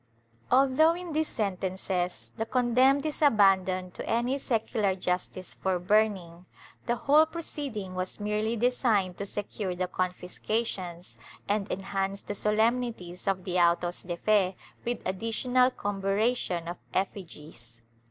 Although in these sentences the condemned is abandoned to any secular justice for burning, the whole proceeding was merely designed to secure the confiscations and enhance the solemnities of the autos de fe with additional comburation of effigies.